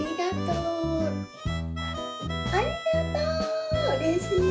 うれしい。